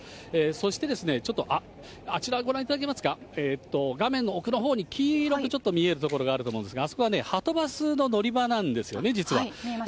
そして、ちょっと、あちら、ご覧いただけますか、画面の奥のほうに黄色くちょっと見える所があると思うんですが、あそこははとバスの乗り場なんですよね、実は。